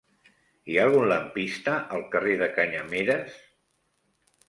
Hi ha algun lampista al carrer de Canyameres?